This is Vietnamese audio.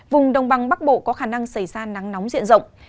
vùng đông băng bắc bộ có khả năng xảy ra nắng nóng diện rộng